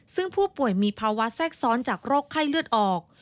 ซึ่งผู้ป่วยมีภาวะแทรกซ้อนจากโรคไข้เลือดออก